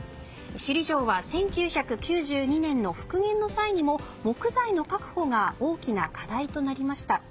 首里城は１９９２年の復元の際にも木材の確保が大きな課題となりました。